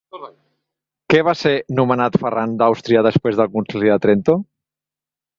Què va ser nomenat Ferran d'Àustria després del Concili de Trento?